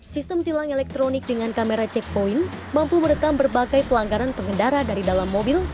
sistem tilang elektronik dengan kamera checkpoint mampu merekam berbagai pelanggaran pengendara dari dalam mobil